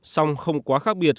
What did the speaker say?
song không quá khác biệt